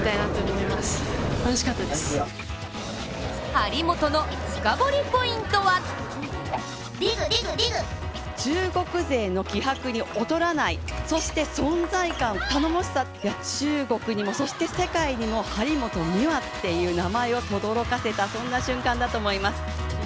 張本の深掘りポイントは中国勢の気迫に劣らないそして存在感、頼もしさが中国にも、そして世界にも張本美和っていう名前をとどろかせた、そんな瞬間だったと思います。